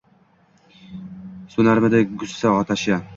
So’narmidi g’ussa otashi —